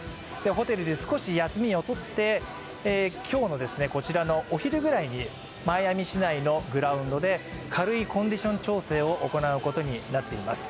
ホテルで少し休みをとって、今日のお昼くらいにマイアミ市内のグラウンドで軽いコンディション調整を行うことになっています。